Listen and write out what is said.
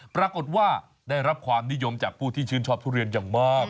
ปรากฏว่าได้รับความนิยมจากผู้ที่ชื่นชอบทุเรียนอย่างมาก